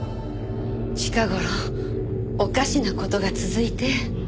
近頃おかしな事が続いて。